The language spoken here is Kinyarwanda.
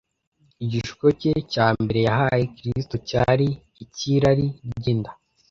Igishuko cye cya mbere yahaye Kristo cyari icy’irari ry’inda.